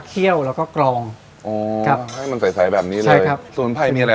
เคี่ยวแล้วก็กรองอ๋อให้มันใสแบบนี้เลยใช่ครับสูญภัยมีอะไร